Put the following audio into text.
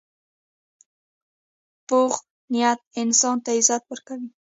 پوخ نیت انسان ته عزت ورکوي